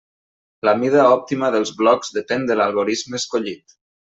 La mida òptima dels blocs depèn de l'algorisme escollit.